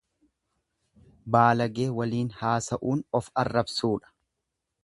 Baalagee waliin haasa'uun of arrabsuudha.